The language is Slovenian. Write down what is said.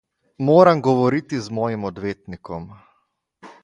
Moram govoriti z mojim odvetnikom.